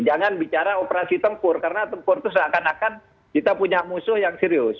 jangan bicara operasi tempur karena tempur itu seakan akan kita punya musuh yang serius